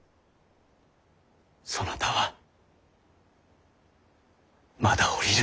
そなたはまだ降りるな。